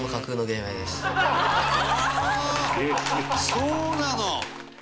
そうなの？